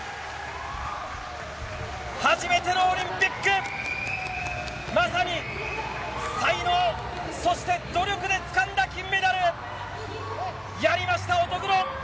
初めてのオリンピックまさに才能、そして努力でつかんだ金メダル！やりました、乙黒！